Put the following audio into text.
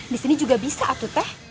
di sini juga bisa atuh teh